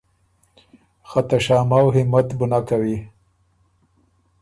خه ته شامؤ همت بُو نک کوی۔